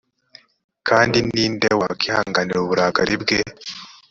kandi ni nde wakwihanganira uburakari bwe